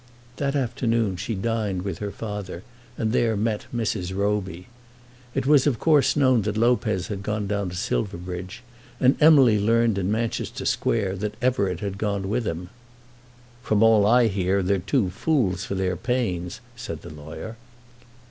That afternoon she dined with her father, and there met Mrs. Roby. It was of course known that Lopez had gone down to Silverbridge, and Emily learned in Manchester Square that Everett had gone with him. "From all I hear, they're two fools for their pains," said the lawyer.